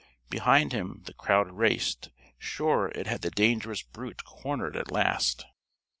Behind him the crowd raced; sure it had the dangerous brute cornered at last.